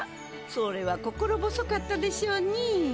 それは心細かったでしょうに。